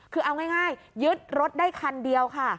คือเอาง่ายยึดรถได้คันเดียวค่ะ